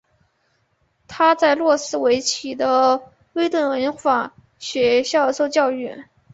他在诺斯威奇的威顿文法学校受教育。